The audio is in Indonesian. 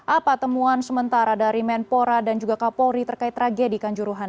apa temuan sementara dari menko paul huka dan juga kapolri terkait tragedikan juruhan